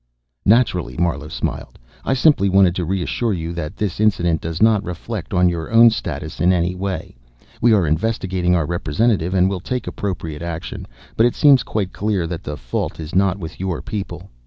"Naturally." Marlowe smiled. "I simply wanted to reassure you that this incident does not reflect on your own status in any way. We are investigating our representative, and will take appropriate action, but it seems quite clear that the fault is not with your people.